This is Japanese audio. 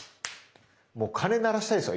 もう鐘鳴らしたいですよ